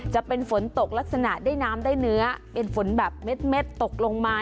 จะเป็นฝนตกลักษณะได้น้ำได้เนื้อเป็นฝนแบบเม็ดตกลงมา